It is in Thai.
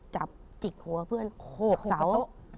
จิกหัวเพื่อนโขกเสา